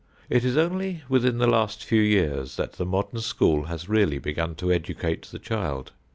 It is only within the last few years that the modern school has really begun to educate the child.